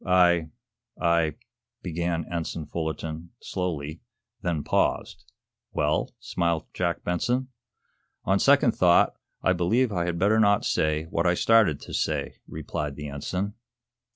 "I I " began Ensign Fullerton, slowly, then paused. "Well?" smiled Jack Benson. "On second thought, I believe I had better not say what I started to say," replied the ensign.